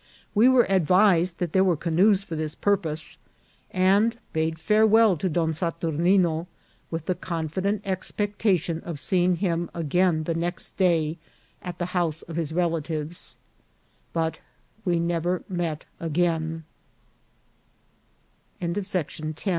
We were advised that there were canoes for this purpose, and bade fare well to Don Saturnino with the confident expectation of seeing him again the next day at the house of his relatives ; but we never